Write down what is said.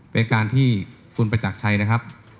เป็นการที่คุณประจักรชัยนะครับ